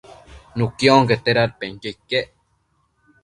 nuqui onquete dadpenquio iquec